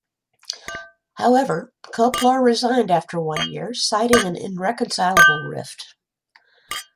However, Koplar resigned after one year, citing an irreconcilable rift.